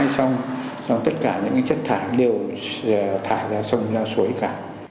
xong tất cả những chất thải đều thả ra sông ra suối cả